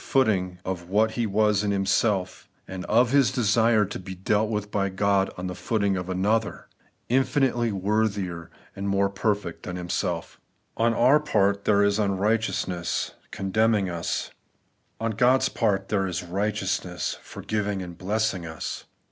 footing of what he was himself, and of his desire to be dealt with by God on the footing of another, infinitely worthier and more perfect than himself On our part there is unrighteousness, condemning us ; on God's part there is righteousness, forgiving and blessing us.